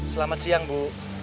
selamat siang bu